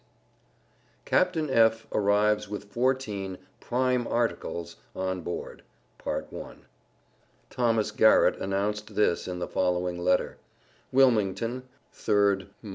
CAPTAIN F. ARRIVES WITH FOURTEEN "PRIME ARTICLES" ON BOARD. Thomas Garrett announced this in the following letter: WILMINGTON, 3d mo.